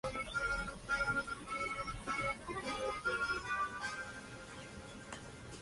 El fármaco no se detecta por orina y actúa primordialmente en sangre y linfa.